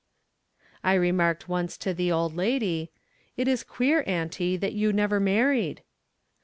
I remarked once to the old lady :" It is queer, Auntie, that you never married."